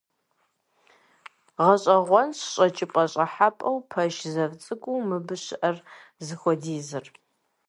ГъэщӀэгъуэнщ щӀэкӀыпӀэ-щӀыхьэпӀэу, пэш зэв цӀыкӀуу мыбы щыӀэр зыхуэдизыр.